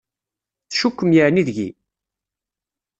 Tcukkem yeεni deg-i?